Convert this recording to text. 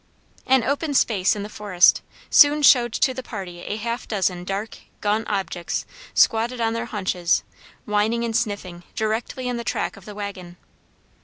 An open space in the forest soon showed to the party a half dozen dark, gaunt objects squatted on their haunches, whining and sniffing, directly in the track of the wagon.